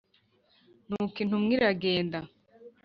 Nuko intumwa iragenda